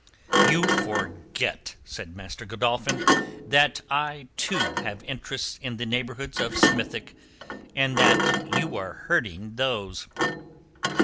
"You forget," said Master Godolphin, "that I, too, have interests in the neighbourhood of Smithick, and that you are hurting those."